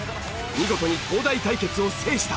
見事に東大対決を制した。